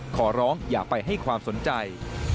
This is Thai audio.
ขอร้องอย่าไปให้ความสนใจ